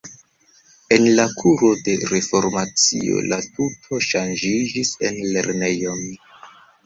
En la kuro de Reformacio la tuto ŝanĝiĝis en lernejon.